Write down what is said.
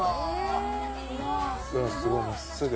すごい真っすぐ。